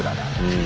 うん。